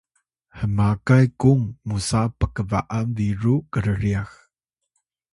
hmakay kung musa pkba’an biru krryax